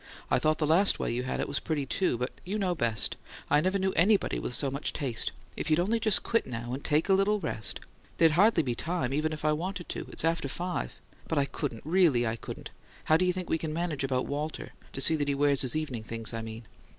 "I thought the last way you had it was pretty, too. But you know best; I never knew anybody with so much taste. If you'd only just quit now, and take a little rest " "There'd hardly be time, even if I wanted to; it's after five but I couldn't; really, I couldn't. How do you think we can manage about Walter to see that he wears his evening things, I mean?"